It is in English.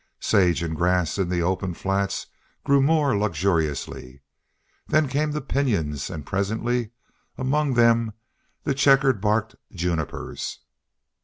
Sage and grass in the open flats grew more luxuriously. Then came the pinyons, and presently among them the checker barked junipers.